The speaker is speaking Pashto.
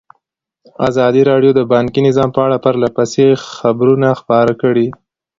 ازادي راډیو د بانکي نظام په اړه پرله پسې خبرونه خپاره کړي.